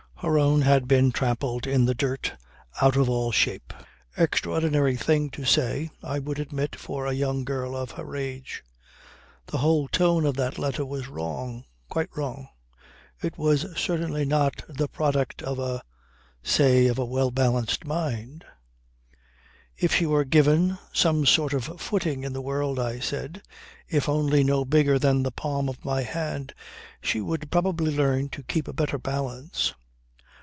Her own had been trampled in the dirt out of all shape. Extraordinary thing to say I would admit, for a young girl of her age. The whole tone of that letter was wrong, quite wrong. It was certainly not the product of a say, of a well balanced mind. "If she were given some sort of footing in this world," I said, "if only no bigger than the palm of my hand, she would probably learn to keep a better balance."